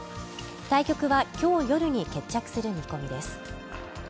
対局は今日夜に決着する見込みです。